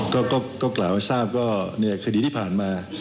ก็กล่าวว่าทราบก็คดีที่ผ่านมา